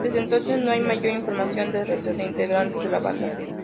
Desde entonces, no hay mayor información del resto de integrantes de la banda.